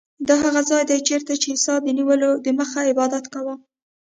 دا هغه ځای دی چیرې چې عیسی د نیولو دمخه عبادت کاوه.